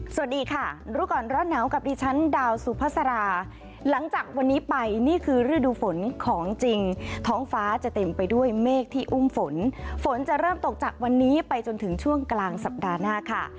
สวัสดีค่ะรู้ก่อนร้อนหนาวกับดิฉันดาวสุภาษาหลังจากวันนี้ไปนี่คือฤดูฝนของจริงท้องฟ้าจะเต็มไปด้วยเมฆที่อุ้มฝนฝนจะเริ่มตกจากวันนี้ไปจนถึงช่วงกลางสัปดาห์หน้าค่ะ